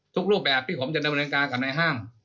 รูปแบบที่ผมจะดำเนินการกับในห้าง